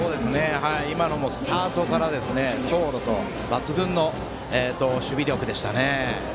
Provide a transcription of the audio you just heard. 今のもスタートから走路と、抜群の守備力でしたね。